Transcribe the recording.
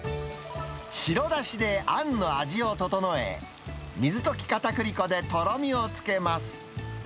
白だしであんの味を調え、水溶きかたくり粉でとろみをつけます。